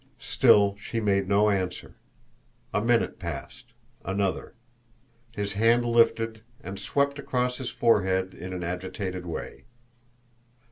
Still she made no answer. A minute passed another. His hand lifted and swept across his forehead in an agitated way.